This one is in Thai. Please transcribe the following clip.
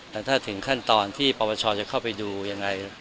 และถ้าถึงขั้นตอนที่ประประชาจะเข้าไปดูอย่างไร